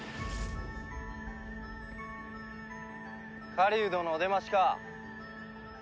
狩人のお出ましか。